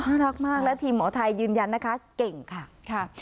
น่ารักมากและทีมหมอไทยยืนยันนะคะเก่งค่ะ